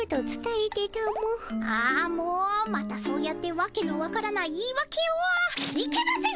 あもうまたそうやってわけのわからない言いわけを。いけません！